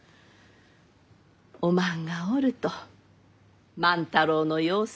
おまんがおると万太郎の様子がよう分かる。